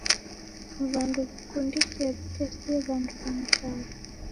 Wandu wikundikie witesie wandu wa mzawo.